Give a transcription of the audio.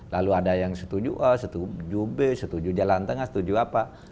lalu ada yang setuju a setuju b setuju jalan tengah setuju apa